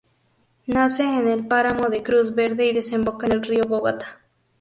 Nace en el páramo de Cruz Verde y desemboca en el río Bogotá.